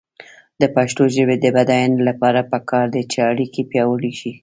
د پښتو ژبې د بډاینې لپاره پکار ده چې اړیکې پیاوړې شي.